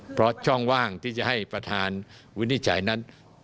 เพราะช่องว่างที่จะให้ประธานวินิจฉัยนั้น